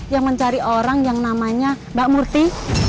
yang mencari orang yang namanya mbak murti